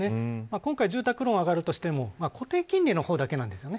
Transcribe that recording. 今回、住宅ローンが上がるとしても固定金利の方だけなんですよね。